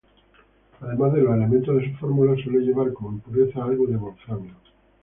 Además de los elementos de su fórmula, suele llevar como impureza algo de wolframio.